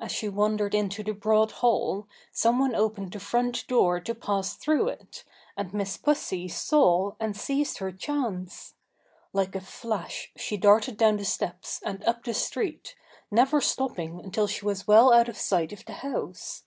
As she wandered into the broad hall some one opened the front door to pass through it, and Miss Pussy saw and seized her chance. Like a flash she darted down the steps and up the street, never stopping until she was well out of sight of the house.